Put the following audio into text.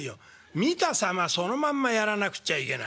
見た様そのまんまやらなくちゃいけない」。